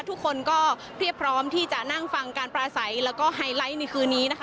ทุกคนก็เรียบพร้อมที่จะนั่งฟังการปลาใสแล้วก็ไฮไลท์ในคืนนี้นะคะ